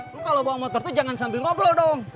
lu kalau bawa motor tuh jangan sambil ngobrol dong